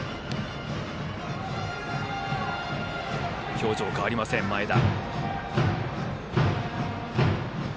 表情変わりません、前田。